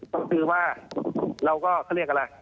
ก็คือว่าเราก็เขาเรียกอะไร